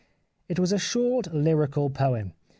It was a short lyrical poem.